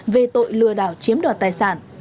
về tội lừa đảo chiếm đoạt tài sản